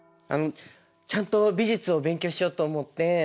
ちゃんと美術を勉強しようと思って。